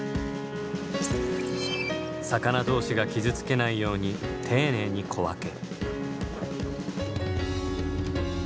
魚同士が傷つけないように丁寧に小分け。